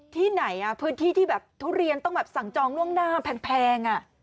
ที่ไหนพื้นที่ที่แบบทุเรียนต้องแบบสั่งจองล่วงหน้าแพง